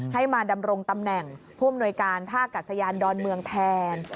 ให้มาดำรงตำแหน่งภูมิโนยการภาพกัสยานดอนเมืองแทน